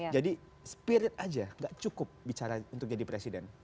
jadi spirit aja gak cukup bicara untuk jadi presiden